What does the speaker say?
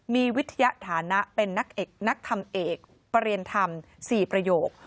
มีวิทยาฐานะเป็นนักทำเอกประเรียนธรรม๔ประโยค